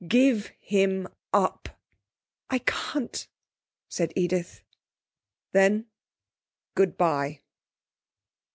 Give him up.' 'I can't,' said Edith. 'Then, good bye.'